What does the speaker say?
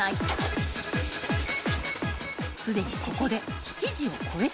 ［すでにここで７時を越えた］